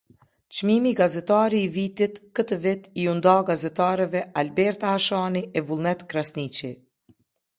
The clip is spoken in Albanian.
Çmimi “Gazetari i vitit”, këtë vit iu nda gazetarëve Alberta Hashani e Vullnet Krasniqi.